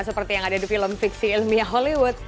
seperti yang ada di film fiksi ilmiah hollywood